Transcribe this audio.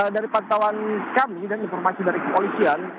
dari pantauan kami dan informasi dari kepolisian